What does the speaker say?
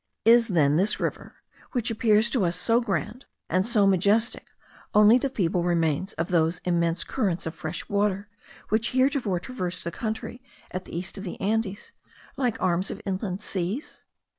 Is then this river, which appears to us so grand and so majestic, only the feeble remains of those immense currents of fresh water which heretofore traversed the country at the east of the Andes, like arms of inland seas?